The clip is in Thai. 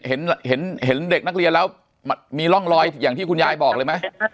วันนั้นพอเห็นเด็กนักเรียนแล้วมีร่องรอยอย่างที่คุณยายบอกเลยมั้ย